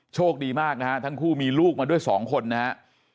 โชคดีมากนะฮะทั้งคู่มีลูกมาด้วย๒คนนะครับ